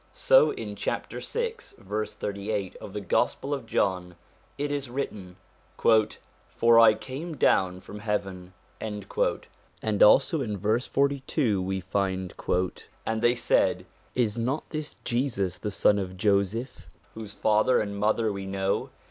So in chapter 6 verse 38 of the Gospel of John it is written :' For I came down from heaven '; and also in verse 42 we find :' And they said, Is not this Jesus, the son of Joseph, whose father and mother we know